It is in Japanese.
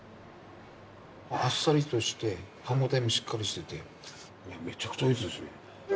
あっさりとして歯応えもしっかりしていてめちゃくちゃおいしいですね。